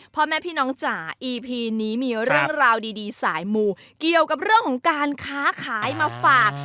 พ่อแม่พี่น้องจ๋าอีพีนี้มีเรื่องราวดีสายมูเกี่ยวกับเรื่องของการค้าขายมาฝาก